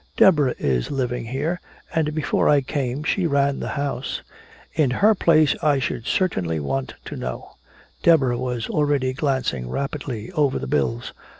"Deborah is living here and before I came she ran the house. In her place I should certainly want to know." Deborah was already glancing rapidly over the bills.